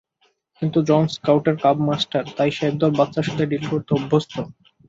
কিন্তু জন স্কাউটের cub master, তাই সে একদল বাচ্চার সাথে ডিল করতে অভ্যস্ত।